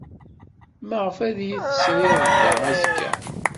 Maɣef ay iyi-tesrid da azekka?